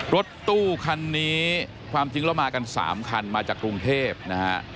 รถตู้คันนี้ความจริงแล้วมากัน๓คันมาจากกรุงเทพนะฮะ